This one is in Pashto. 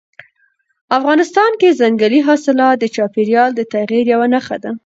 افغانستان کې ځنګلي حاصلات د چاپېریال د تغیر یوه نښه ده.